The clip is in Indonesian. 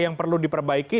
yang perlu diperbaiki